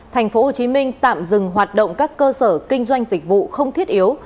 tp hcm tạm dừng hoạt động các cơ sở kinh doanh dịch vụ không thiết yếu